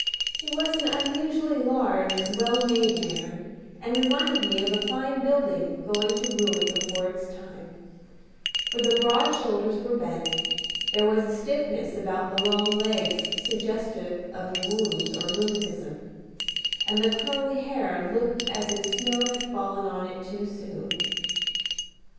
He was an unusually large, well made man, and reminded me of a fine building going to ruin before its time; for the broad shoulders were bent, there was a stiffness about the long legs suggestive of wounds or rheumatism, and the curly hair looked as if snow had fallen on it too soon.